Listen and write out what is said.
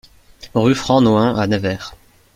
Rue Franc Nohain à Nevers